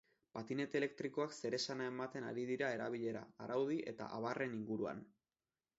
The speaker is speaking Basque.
Patinete elektrikoak zeresana ematen ari dira erabilera, araudi eta abarren inguruan.